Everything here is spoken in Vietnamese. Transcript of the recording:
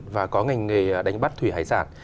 và có ngành nghề đánh bắt thủy hải sản